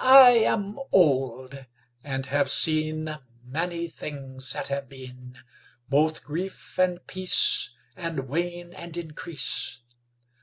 I am old and have seen Many things that have been; Both grief and peace And wane and increase.